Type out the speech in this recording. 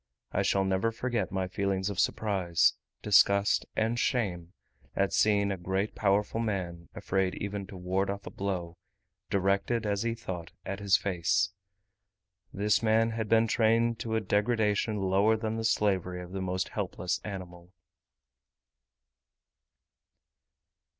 I shall never forget my feelings of surprise, disgust, and shame, at seeing a great powerful man afraid even to ward off a blow, directed, as he thought, at his face. This man had been trained to a degradation lower than the slavery of the most helpless animal.